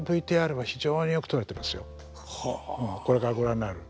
これからご覧になる。